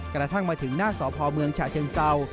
กระทั่งมาถึงหน้าสพเมืองฉะเชิงเศร้า